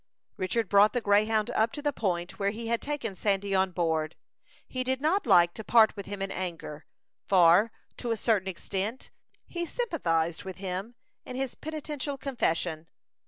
Richard brought the Greyhound up to the point where he had taken Sandy on board. He did not like to part with him in anger, for, to a certain extent, he sympathized with him in his penitential confession.